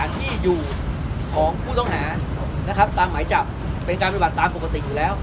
ที่อยู่ของผู้ต้องหานะครับตามหมายจับเป็นการปฏิบัติตามปกติอยู่แล้ว